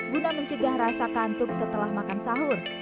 guna mencegah rasa kantuk setelah makan sahur